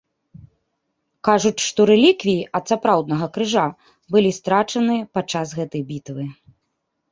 Кажуць, што рэліквіі ад сапраўднага крыжа былі страчаныя падчас гэтай бітвы.